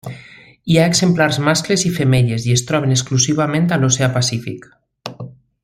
Hi ha exemplars mascles i femelles, i es troben exclusivament a l'oceà Pacífic.